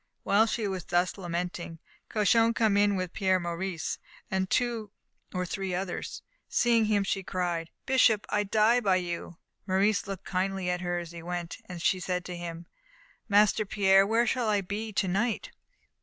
While she was thus lamenting Cauchon came in, with Pierre Maurice, and two or three others. Seeing him, she cried: "Bishop, I die by you!" Maurice looked kindly at her as he went, and she said to him: "Master Pierre, where shall I be to night?"